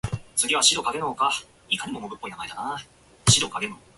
There are no readily available reports of her meeting with any success.